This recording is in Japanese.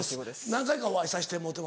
何回かお会いさせてもろうて？